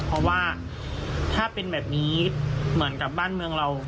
เพราะว่าถ้าเป็นแบบนี้เหมือนกับบ้านเมืองเรา